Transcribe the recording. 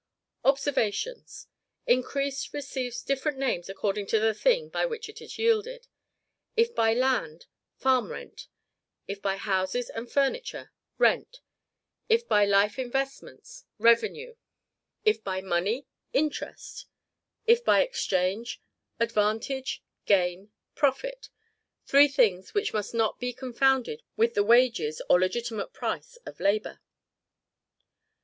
OBSERVATIONS. Increase receives different names according to the thing by which it is yielded: if by land, FARM RENT; if by houses and furniture, RENT; if by life investments, REVENUE; if by money, INTEREST; if by exchange, ADVANTAGE, GAIN, PROFIT (three things which must not be confounded with the wages or legitimate price of labor).